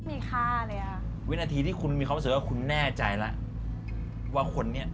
มันคุณไม่มีค่าเลยอะ